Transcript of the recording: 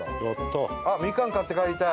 あっみかん買って帰りたい。